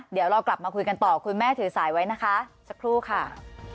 เดี๋ยวเรากลับมาคุยกันต่อคุณแม่ถือสายไว้นะคะ